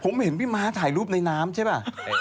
ผมเห็นพี่ม้าถ่ายรูปในน้ำใช่ป่ะ